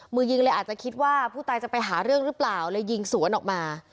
มือยิงเลยอาจจะคิดว่าผู้ตายจะไปหาเรื่องหรือเปล่าเลยยิงสวนออกมา